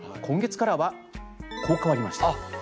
今月からは、こう変わりました。